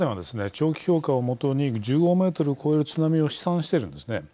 長期評価を基に１５ｍを超える津波を試算しているんですね。